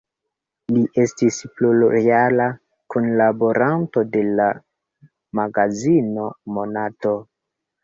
Li estis plurjara kunlaboranto de la magazino "Monato".